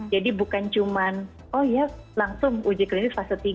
jadi bukan cuma oh ya langsung uji klinis fase tiga